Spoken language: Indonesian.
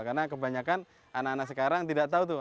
karena kebanyakan anak anak sekarang tidak tahu tuh